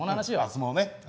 相撲ね。